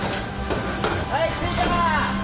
はいついた！